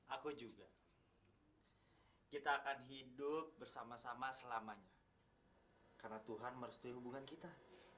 aku juga kita akan hidup bersama sama selamanya karena tuhan merestui hubungan kita